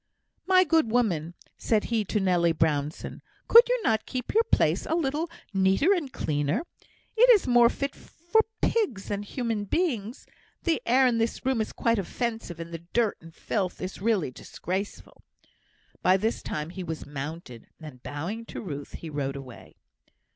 "My good woman," said he to Nelly Brownson, "could you not keep your place a little neater and cleaner? It is more fit for pigs than human beings. The air in this room is quite offensive, and the dirt and filth is really disgraceful." By this time he was mounted, and, bowing to Ruth, he rode away.